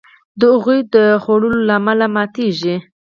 د هغوی د خولو له امله ماتیږي.